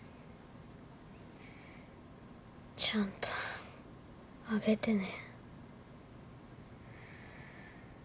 ちゃんとあげてね。